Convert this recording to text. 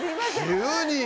急に。